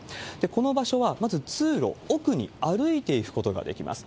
この場所は、まず通路奥に歩いていくことができます。